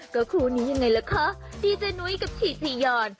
ก็คู้นี้ยังไงล่ะครับที่จะนุ้ยกับชีทียอน